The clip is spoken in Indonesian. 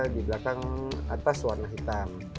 di belakang atas warna hitam